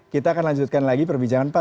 kita akan lanjutkan lagi perbincangan pak